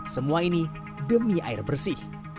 semua ini demi air bersih